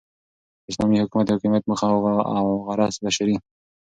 داسلامي حكومت دحاكميت موخه اوغرض بشري